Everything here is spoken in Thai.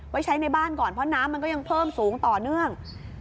ไว้ใช้ในบ้านก่อนเพราะน้ำมันก็ยังเพิ่มสูงต่อเนื่อง